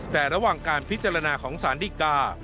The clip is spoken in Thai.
แต่ระหว่างการพิจารณาของสารดีกา